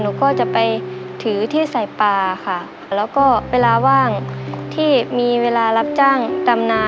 หนูก็จะไปถือที่ใส่ปลาค่ะแล้วก็เวลาว่างที่มีเวลารับจ้างตำนา